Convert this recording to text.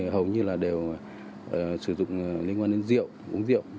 hầu như là đều sử dụng liên quan đến rượu uống rượu